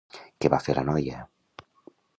Què va fer la noia?